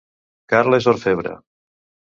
Carla és orfebre